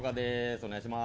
お願いします。